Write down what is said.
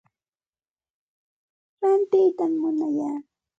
Rantiytam munaya.